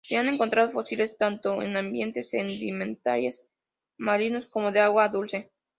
Se han encontrado fósiles tanto en ambientes sedimentarias marinos como de agua dulce.